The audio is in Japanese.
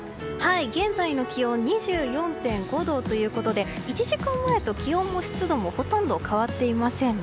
現在の気温２４．５度ということで１時間前と気温と湿度もほとんど変わっていませんね。